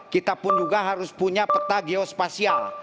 kita pun juga harus punya peta geospasial